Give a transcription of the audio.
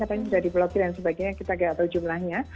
katanya sudah di blokir dan sebagainya kita tidak tahu jumlahnya